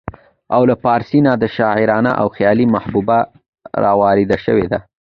او له پارسۍ نه دا شاعرانه او خيالي محبوبه راوارده شوې ده